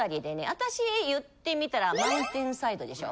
私言ってみたらマウンテンサイドでしょ？